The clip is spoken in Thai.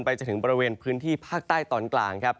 จนถึงบริเวณพื้นที่ภาคใต้ตอนกลางครับ